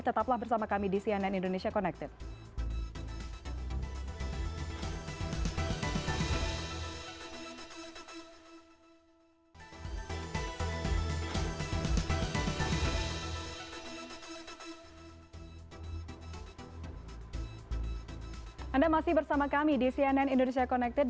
tetaplah bersama kami di cnn indonesia connected